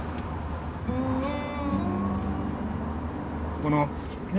ここのね